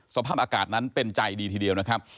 สภาพอากาศนั้นเป็นใจดีทีเดียวนะครับ